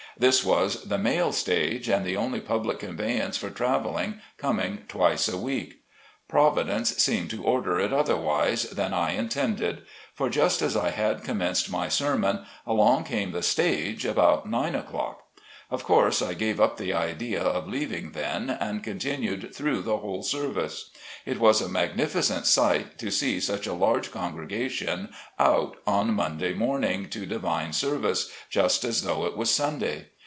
This was the mail stage, and the only public conveyance for travelling, coming twice a week. Providence seemed to order it otherwise than I intended. For just as I had commenced my sermon, along came the stage about nine o'clock. Of course I gave up the idea of leaving then, and continued through the whole service. It was a magnificent sight to see such a large congregation out on Monday morning to divine service, just as though it was Sunday.